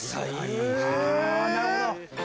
なるほど。